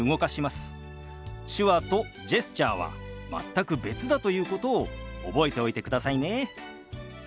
手話とジェスチャーは全く別だということを覚えておいてくださいね。